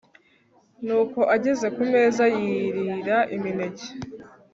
nuko ageze kumeza yirira imineke